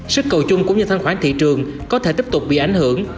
sức cầu chung cũng như thanh khoản thị trường có thể tiếp tục bị ảnh hưởng